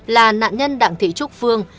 là nạn nhân đặng thị trúc phương